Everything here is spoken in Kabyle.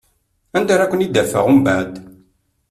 Anda ara ken-id-afeɣ umbeɛd?